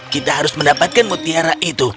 kita harus mendapatkan mutiara itu